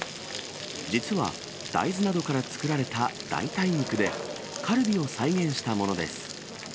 実は、大豆などから作られた代替肉で、カルビを再現したものです。